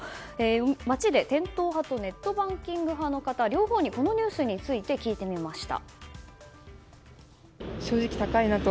街で店頭派とネットバンキング派の方両方に、このニュースについて聞いてみました。